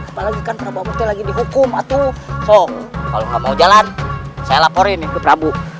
apalagi kan prabu amuk tuh lagi dihukum atuh so kalau gak mau jalan saya laporin ya ke prabu